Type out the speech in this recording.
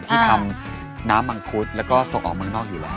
ที่ทำน้ำมังคุดแล้วก็ส่งออกเมืองนอกอยู่แล้ว